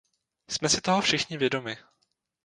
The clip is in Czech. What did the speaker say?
Jsme si toho všichni vědomi.